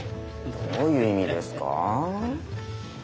どういう意味ですかあ？